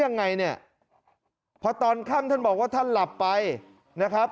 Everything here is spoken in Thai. ยังไงเนี่ยพอตอนค่ำท่านบอกว่าท่านหลับไปนะครับ